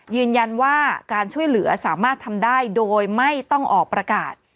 ยืนยันว่าการช่วยเหลือสามารถทำได้โดยไม่ต้องออกประกาศ